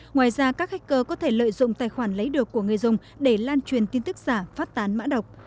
ngoài ra các hacker có thể lợi dụng tài khoản lấy được của người dùng để lan truyền tin tức giả phát tán mã độc